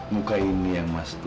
muka ini yang mas tuh